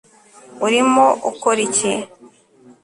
urimo ukora iki